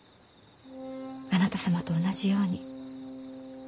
あなた様と同じように。